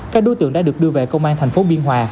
các đối tượng đã được đưa về công an thành phố biên hòa